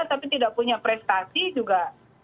tapi tidak punya prestasi juga